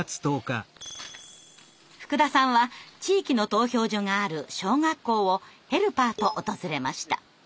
福田さんは地域の投票所がある小学校をヘルパーと訪れました。